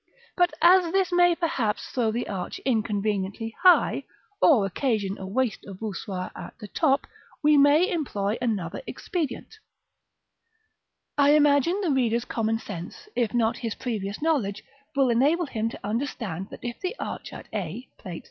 But as this may perhaps throw the arch inconveniently high, or occasion a waste of voussoirs at the top, we may employ another expedient. § IV. I imagine the reader's common sense, if not his previous knowledge, will enable him to understand that if the arch at a, Plate III.